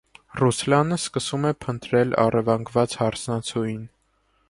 Ռուսլանը սկսում է փնտրել առևանգված հարսնացուին։